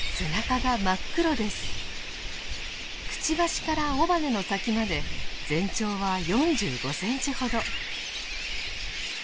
くちばしから尾羽の先まで全長は４５センチほど。